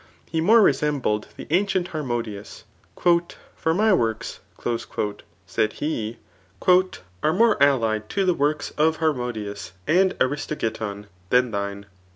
he more resem bled3 the ancient Harmodius. " For my works," said he, ^^are more allied to the works of Harmodius and Aristo giton than thine.'